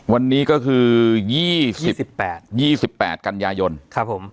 วันนี้ก็คือยี่สิบยี่สิบแปดยี่สิบแปดกันยายนครับผม